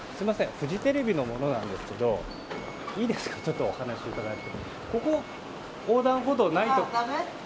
フジテレビの者なんですけどいいですか、お話伺って。